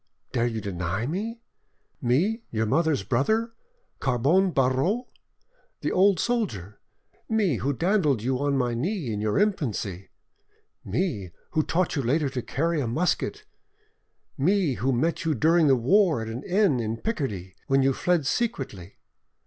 Dare you deny me?—me, your mother's brother, Carbon Barreau, the old soldier! Me, who dandled you on my knee in your infancy; me, who taught you later to carry a musket; me, who met you during the war at an inn in Picardy, when you fled secretly.